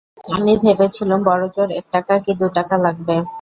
আমি ভেবেছিলুম, বড়ো জোর এক টাকা কি দু টাকা লাগবে।